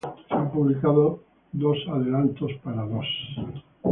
Se han publicado dos adelantos para ¡Dos!